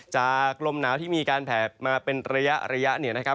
จากลมหนาวที่มีการแผบมาเป็นระยะ